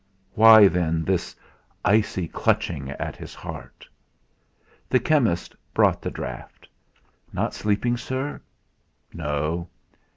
Why, then, this icy clutching at his heart? The chemist brought the draught. "Not sleeping, sir?" "No."